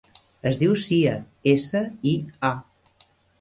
Es diu Sia: essa, i, a.